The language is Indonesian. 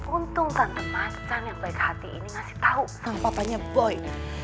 untung tante macan yang baik hati ini ngasih tau sama papanya boy